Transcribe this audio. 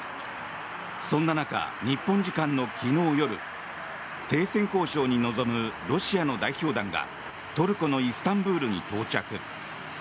そんな中、日本時間の昨日夜停戦交渉に臨むロシアの代表団がトルコのイスタンブールに到着。